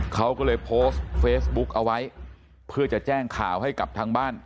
เขาก็เลยโพสต์เฟซบุ๊กเอาไว้เพื่อจะแจ้งข่าวให้กับทางบ้าน